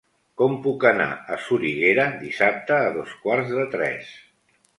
Com puc anar a Soriguera dissabte a dos quarts de tres?